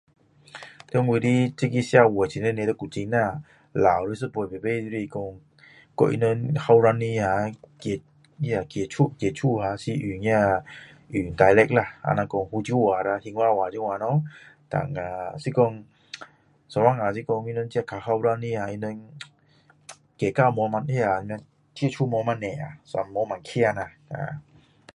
在我的这个社会古晋啦老的一辈每次都是讲讲他们年轻的时候那个经历新化话这样咯是用 dialect 啦比如说福州话啦是说有时候是说她们这些比较年轻的他们接触没有那么多所以没有那么厉害